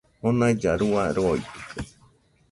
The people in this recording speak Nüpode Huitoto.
Monailla rua roitɨkue